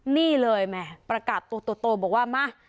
นี่เลยแหมประกาศตัวบอกว่ามา